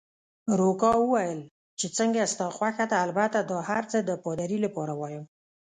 روکا وویل: چې څنګه ستا خوښه ده، البته دا هرڅه د پادري لپاره وایم.